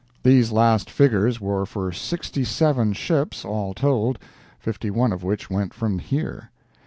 These last figures were for sixty seven ships, all told—fifty one of which went from here.